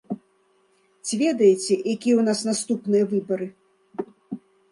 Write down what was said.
Ці ведаеце, якія ў нас наступныя выбары?